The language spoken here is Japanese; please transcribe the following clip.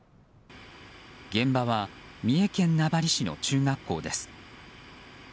現場は三重県名張市の中学校です。